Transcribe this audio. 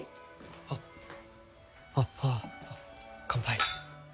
あっあっあぁ乾杯。